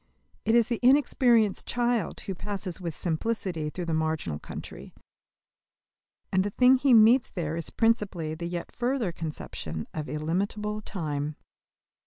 It is the inexperienced child who passes with simplicity through the marginal country; and the thing he meets there is principally the yet further conception of illimitable time.